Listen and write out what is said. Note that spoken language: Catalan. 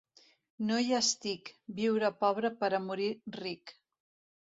No hi estic, viure pobre per a morir ric.